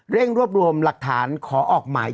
รวบรวมหลักฐานขอออกหมาย